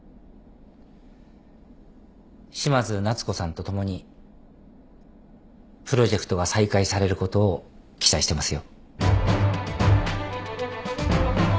嶋津奈都子さんと共にプロジェクトが再開されることを期待してますよ。